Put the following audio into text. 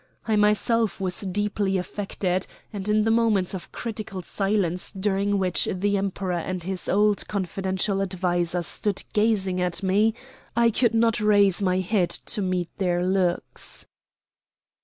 I myself was deeply affected, and in the moments of critical silence during which the Emperor and his old confidential adviser stood gazing at me I could not raise my head to meet their looks.